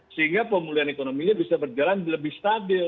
sehingga pemulihan ekonominya bisa berjalan lebih stabil